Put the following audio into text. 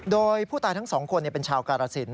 โดยผู้ตายทั้งสองคนเป็นชาวกาลสิน